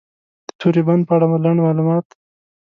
د توری بند په اړه لنډ معلومات: